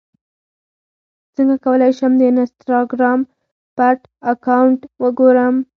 څنګه کولی شم د انسټاګرام پټ اکاونټ وګورم